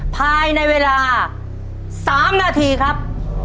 ภายในเวลา๓นาทีครับ